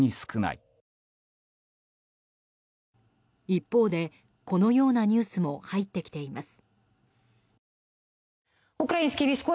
一方でこのようなニュースも入ってきています。